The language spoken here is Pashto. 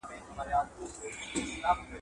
د سولي خبري په نړیواله کچه تعقیب کیږي.